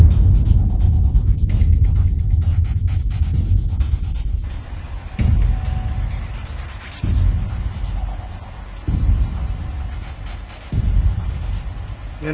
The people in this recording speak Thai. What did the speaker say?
แต่อย่างเป็น